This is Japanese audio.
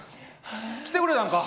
来てくれたんか？